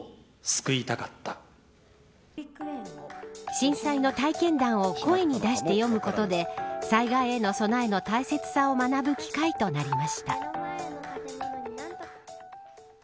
震災の体験談を声に出して読むことで災害への備えの大切さを学ぶ機会となりました。